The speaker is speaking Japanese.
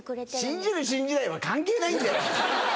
信じる信じないは関係ないんだよ。